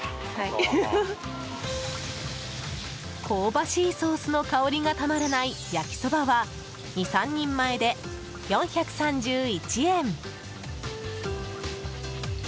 香ばしいソースの香りがたまらない、焼きそばは２３人前で４３１円。